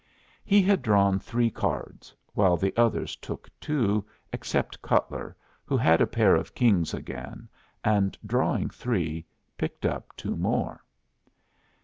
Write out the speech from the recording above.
He had drawn three cards, while the others took two, except Cutler, who had a pair of kings again, and drawing three, picked up two more.